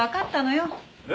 え？